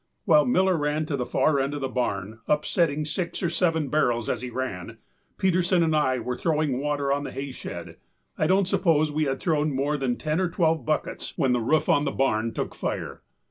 While Miller ran to the far end of the barn, upsetting the six or seven barrels as he ran, Peterson and I were throwing water on the hay shed. I donât suppose we had thrown more than ten or twelve buckets when the roof of the barn took fire.